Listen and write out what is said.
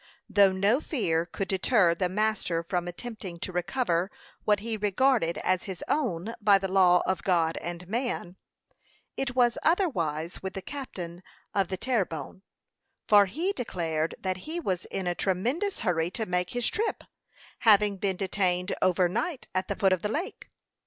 Though no fear could deter the master from attempting to recover what he regarded as his own by the law of God and man, it was otherwise with the captain of the Terre Bonne; for he declared that he was in a tremendous hurry to make his trip, having been detained over night at the foot of the lake.